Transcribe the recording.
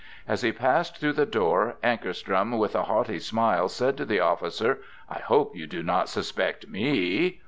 As he passed through the door, Ankarström with a haughty smile said to the officer: "I hope you do not suspect me?"